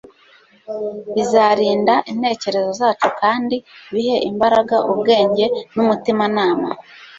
bizarinda intekerezo zacu kandi bihe imbaraga ubwenge numutimanama